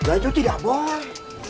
itu tidak boleh